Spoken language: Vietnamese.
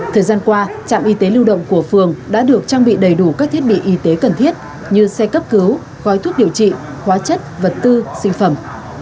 thời gian qua trạm y tế lưu động của phường đã được trang bị đầy đủ các thiết bị y tế cần thiết như xe cấp cứu gói thuốc điều trị hóa chất vật tư sinh phẩm